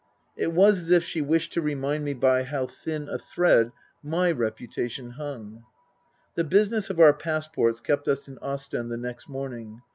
It was as if she wished to remind me by how thin a thread my reputation hung. The business of our passports kept us in Ostend the next morning.